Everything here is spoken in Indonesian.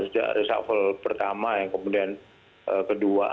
sejak resafel pertama ya kemudian kedua